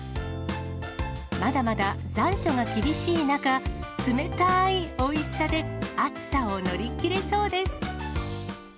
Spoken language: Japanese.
まだまだ残暑が厳しい中、冷たいおいしさで暑さを乗り切れそうです。